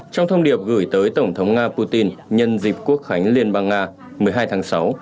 trong thông điệp gửi tới tổng thống nga putin nhân dịp quốc khánh liên bang nga một mươi hai tháng sáu